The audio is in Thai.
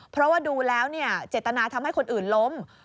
เพราะว่าดูแล้วเจตนาทำให้คนอื่นล้ม